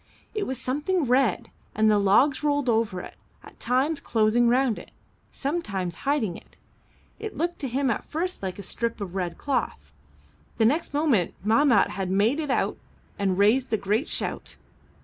It was something red, and the logs rolled over it, at times closing round it, sometimes hiding it. It looked to him at first like a strip of red cloth. The next moment Mahmat had made it out and raised a great shout.